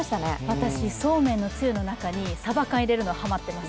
私、そうめんのつゆの中にさば缶入れるのハマってます。